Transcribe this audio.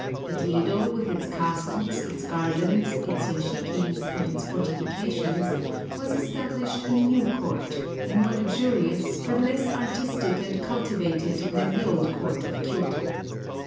At Yedo with its castle, its gardens, its yashikis, and its fortifications, was established a new court, more luxurious, but less artistic and cultivated, than the old court of Kyōto.